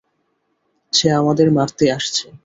সে আমাদের মারতে আসছে।